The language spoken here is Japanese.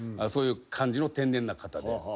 そういう感じの天然な方で。